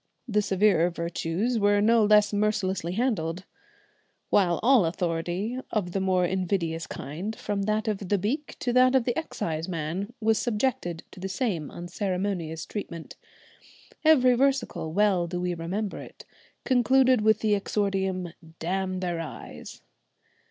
The severer virtues were no less mercilessly handled, while all authority of the more invidious kind, from that of the beak to that of the exciseman, was subjected to the same unceremonious treatment. Every versicle well do we remember it concluded with the exordium, "Damn their eyes!"